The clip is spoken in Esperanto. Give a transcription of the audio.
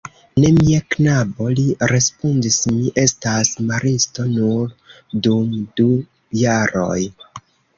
Ne, mia knabo, li respondis, mi estas maristo nur dum du jaroj.